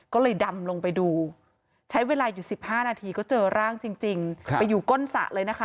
ก็เลยดำลงไปดูใช้เวลาอยู่๑๕นาทีก็เจอร่างจริงไปอยู่ก้นสระเลยนะคะ